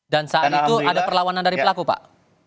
dan saat itu ada perlawanan dari pelaku pak